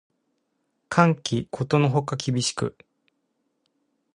寒気ことのほか厳しく